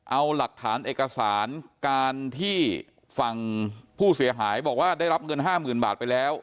เอาหลักฐานเอกสารการที่ฝั่งผู้เสียหายบอกว่าได้รับเงิน๕๐๐๐บาทไปแล้ว